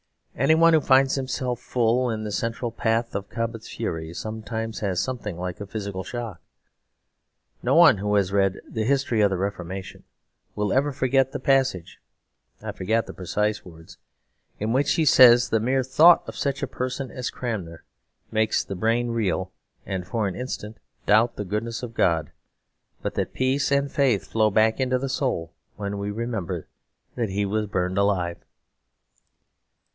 Anyone who finds himself full in the central path of Cobbett's fury sometimes has something like a physical shock. No one who has read "The History of the Reformation" will ever forget the passage (I forget the precise words) in which he says the mere thought of such a person as Cranmer makes the brain reel, and, for an instant, doubt the goodness of God; but that peace and faith flow back into the soul when we remember that he was burned alive.